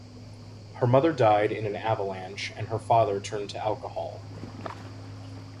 Her mother died in an avalanche and her father turned to alcohol.